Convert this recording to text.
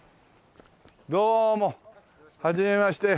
どうもはじめまして。